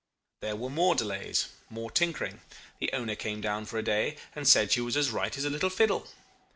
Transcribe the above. "There were more delays more tinkering. The owner came down for a day, and said she was as right as a little fiddle.